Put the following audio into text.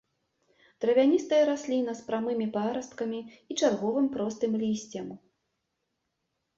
Травяністая расліна з прамымі парасткамі і чарговым простым лісцем.